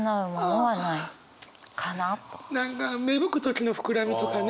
何か芽吹く時の膨らみとかね！